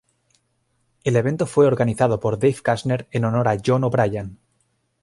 El evento fue organizado por Dave Kushner en honor a John O’Brien.